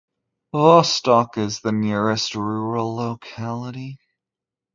Vostok is the nearest rural locality.